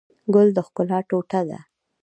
ګل د ښکلا ټوټه ده.